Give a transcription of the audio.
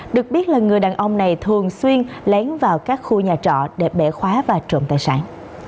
được biết là người đàn ông này thường xuyên lén vào các khu nhà trọ để bẻ khóa và trộm tài sản